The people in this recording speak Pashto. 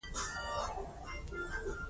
افغانستان هم د پاکستان غوندې